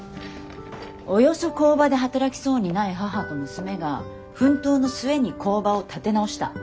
およそ工場で働きそうにない母と娘が奮闘の末に工場を立て直した。